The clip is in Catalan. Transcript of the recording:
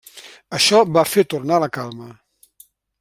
Això va fer tornar la calma.